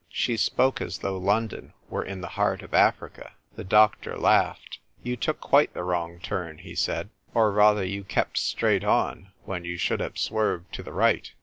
She spoke as though London were in the heart of Africa. The doctor laughed. "You took quite the wrong turn," he said. " Or rather, you kept straight on, when you should have swerved to the right.